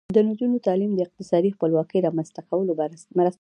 د نجونو تعلیم د اقتصادي خپلواکۍ رامنځته کولو مرسته ده.